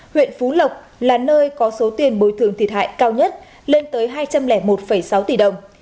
huyện phú lộc là nơi có số tiền bồi thường thiệt hại cao nhất lên tới hai trăm linh một sáu tỷ đồng